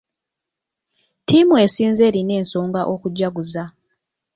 Ttiimu esinze erina ensonga okujaguza.